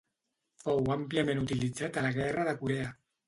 Fou àmpliament utilitzat a la Guerra de Corea.